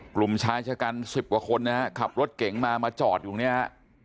กลุ่มชายชะกัน๑๐กว่าคนนะฮะขับรถเก๋งมามาจอดอยู่เนี่ยฮะ